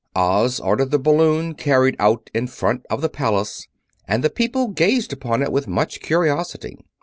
Oz ordered the balloon carried out in front of the Palace, and the people gazed upon it with much curiosity.